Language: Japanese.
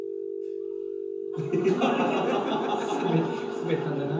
スベったんだな。